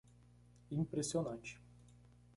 Impressionante